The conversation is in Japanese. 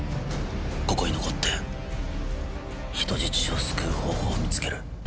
ここに残って人質を救う方法を見つける。